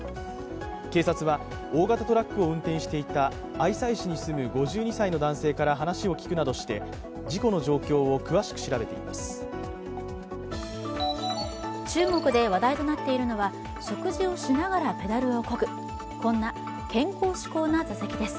警察は、大型トラックを運転していた愛西市に住む５２歳の男性から話を聞くなどして事故の状況を詳しく調べています。